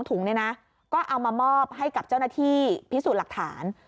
ถุงเนี่ยนะก็เอามามอบให้กับเจ้าหน้าที่พิสูจน์หลักฐาน